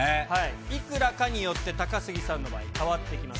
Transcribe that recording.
いくらかによって、高杉さんの場合、変わってきます。